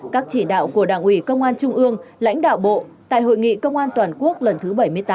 các chỉ đạo của đảng ủy công an trung ương lãnh đạo bộ tại hội nghị công an toàn quốc lần thứ bảy mươi tám